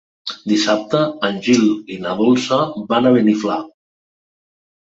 Dissabte en Gil i na Dolça van a Beniflà.